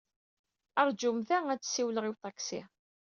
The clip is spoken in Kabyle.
Rǧum da! Ad d-ssiwleɣ i uṭaksi.